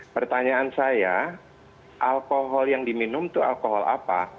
pertanyaan saya alkohol yang diminum itu alkohol apa